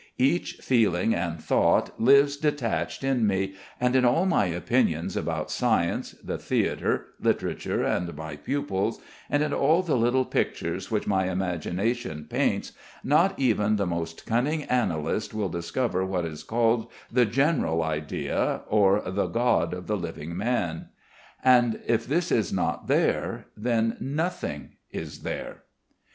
Each feeling and thought lives detached in me, and in all my opinions about science, the theatre, literature, and my pupils, and in all the little pictures which my imagination paints, not even the most cunning analyst will discover what is called the general idea, or the god of the living man. And if this is not there, then nothing is there.